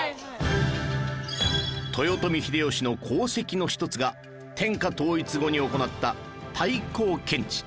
豊臣秀吉の功績の一つが天下統一後に行った太閤検地